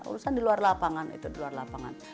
urusan di luar lapangan itu di luar lapangan